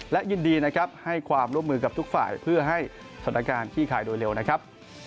และยินดีนะครับให้ความร่วมมือกับทุกฝ่ายเพื่อให้สถานการณ์ขี้คายโดยเร็วนะครับ